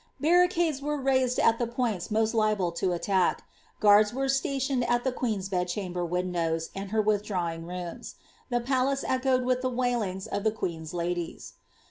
Barricades were raued at the pointi moit liable to attack ; ffoards were stationed at the queen's bedchamber win dows and her withdrawing rooms. The palace echoed with the wailings of the queen's ladies.